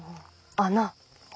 穴。